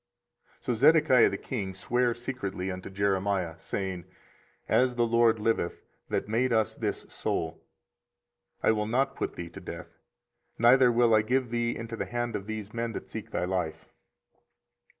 24:038:016 So Zedekiah the king sware secretly unto Jeremiah, saying, As the LORD liveth, that made us this soul, I will not put thee to death, neither will I give thee into the hand of these men that seek thy life.